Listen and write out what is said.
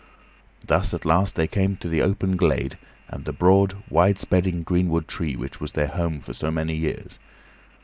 Thus at last they came to the open glade, and the broad, wide spreading greenwood tree which was their home for so many years.